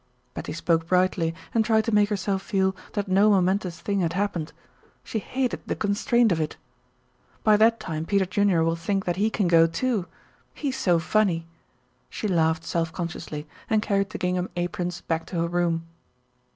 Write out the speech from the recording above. Betty spoke brightly and tried to make herself feel that no momentous thing had happened. She hated the constraint of it. "By that time Peter Junior will think that he can go, too. He's so funny!" She laughed self consciously, and carried the gingham aprons back to her room.